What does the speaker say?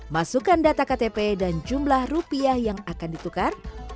masukkan data ktp dan jumlah rupiah yang akan ditukar